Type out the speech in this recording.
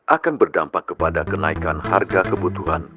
akan berdampak kepada kenaikan harga kebutuhan